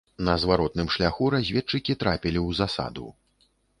На зваротным шляху разведчыкі трапілі ў засаду.